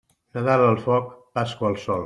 Nadal al foc, Pasqua al sol.